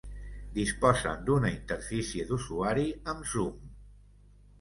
Disposen d'una interfície d'usuari amb zoom.